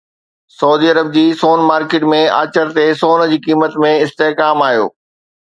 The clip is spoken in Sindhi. سعودي عرب جي سون مارڪيٽ ۾ آچر تي سون جي قيمتن ۾ استحڪام آيو